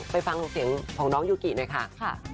ไปฟังเสียงของน้องยุกินะค่ะค่ะค่ะ